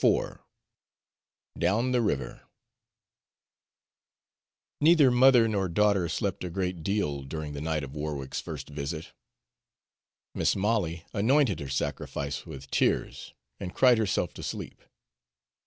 IV DOWN THE RIVER Neither mother nor daughter slept a great deal during the night of Warwick's first visit. Mis' Molly anointed her sacrifice with tears and cried herself to sleep.